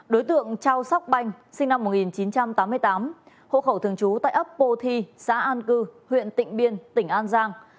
đối tượng trao sóc banh sinh năm một nghìn chín trăm tám mươi tám hộ khẩu thường trú tại ấp pô thi xã an cư huyện tỉnh biên tỉnh an giang